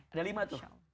ada lima tuh